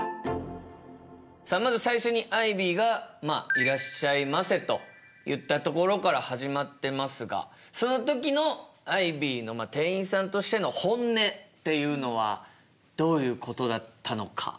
さあまず最初にアイビーが「いらっしゃいませ」と言ったところから始まってますがその時のアイビーの店員さんとしての本音っていうのはどういうことだったのか？